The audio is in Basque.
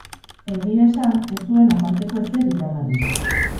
Egia esan ez zuen aparteko ezer iragarri.